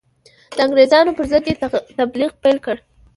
د انګرېزانو پر ضد یې تبلیغ پیل کړ.